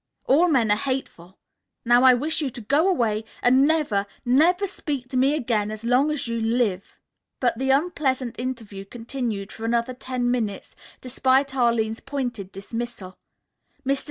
All men are hateful! Now I wish you to go away, and never, never speak to me again as long as you live!" But the unpleasant interview continued for another ten minutes despite Arline's pointed dismissal. Mr.